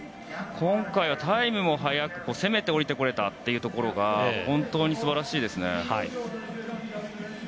今回はタイムも早く攻めて降りてこれたのが本当に素晴らしいですね。